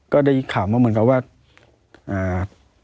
ก็ได้ข่าวมาเหมือนกับว่า